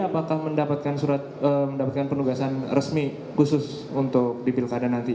apakah mendapatkan penugasan resmi khusus untuk di pilkada nanti